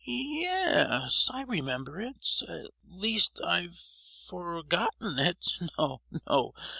"Ye—yes, I remember it; at least I've for—gotten it. No, no!